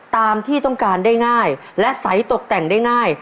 ตามที่ต้องการได้ง่ายและใสตกแต่งได้ง่าย